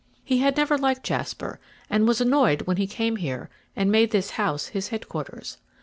He had never liked Jasper, and was annoyed when he came here and made this house his headquarters.